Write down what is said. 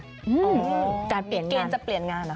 อ๋อเกณฑ์จะเปลี่ยนงานเหรอคะ